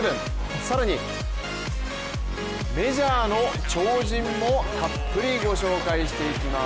更にメジャーの超人もたっぷりご紹介していきます。